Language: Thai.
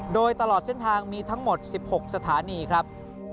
โดยตลอดเส้นทางมีทั้งหมด๑๖สถานีครับ